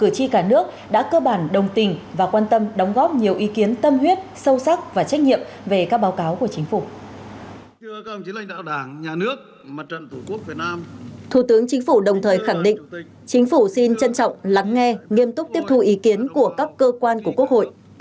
thủ tướng chính phủ đồng thời khẳng định chính phủ xin trân trọng lắng nghe nghiêm túc tiếp thu ý kiến của các cơ quan của quốc hội